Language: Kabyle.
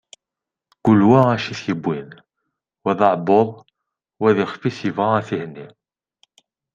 Kul wa acu i t-yewwin, wa d aɛebbuḍ, wa d ixef-is yebɣa ad t-ihenni.